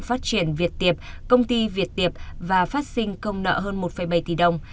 phát triển việt tiệp công ty việt tiệp và phát sinh công nợ hơn một bảy tỷ đồng